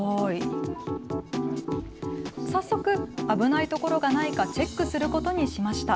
早速、危ない所がないかチェックすることにしました。